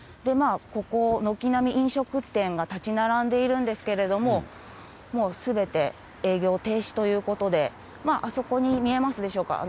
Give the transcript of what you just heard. ここ、軒並み飲食店が建ち並んでいるんですけれども、もうすべて営業停止ということで、あそこに見えますでしょうか。